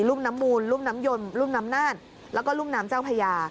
ุ่มน้ำมูลรุ่มน้ำยนต์รุ่มน้ำน่านแล้วก็รุ่มน้ำเจ้าพญา